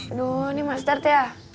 aduh ini mas dert ya